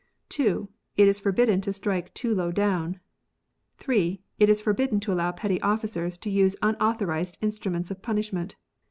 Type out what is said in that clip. ] (2.) It is forbidden to strike too low down. (3.) It is forbidden to allow petty officers to use unauthorised instruments of punishment.